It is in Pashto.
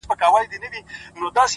اوس عجيبه جهان كي ژوند كومه ـ